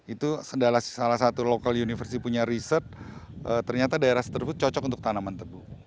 itu salah satu lokal universitas punya riset ternyata daerah terbuk cocok untuk tanaman tebu